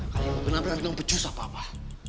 kalian mau kena berangkang pecus apa apa